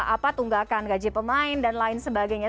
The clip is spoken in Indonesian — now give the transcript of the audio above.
apa tunggakan gaji pemain dan lain sebagainya